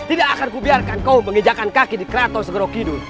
tidak akan kubiarkan kau menginjakkan kaki di kratos ngerokidur